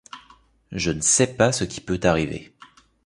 Je ne sais pas ce qui peut arriver.